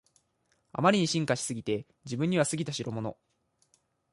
あまりに進化しすぎて自分には過ぎたしろもの